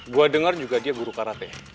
gue dengar juga dia buru karate